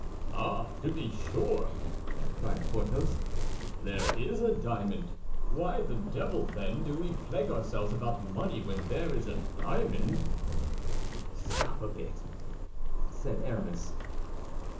"Ah, to be sure," cried Porthos, "there is a diamond. Why the devil, then, do we plague ourselves about money, when there is a diamond?" "Stop a bit!" said Aramis.